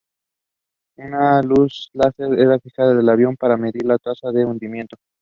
Una luz láser es fijada en el avión para medir la tasa de hundimiento.